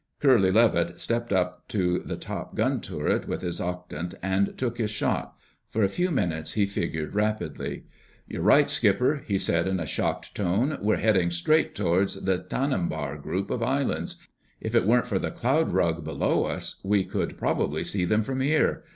Curly Levitt stepped up to the top gun turret with his octant and took his shot. For a few minutes he figured rapidly. "You're right, Skipper," he said in a shocked tone. "We're heading straight toward the Tanimbar group of islands. If it weren't for the cloud rug below us we could probably see them from here.